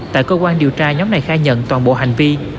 tại cơ quan điều tra nhóm này khai nhận toàn bộ hành vi